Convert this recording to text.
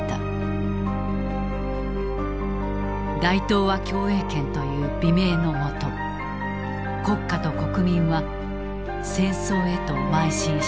大東亜共栄圏という美名のもと国家と国民は戦争へとまい進していく。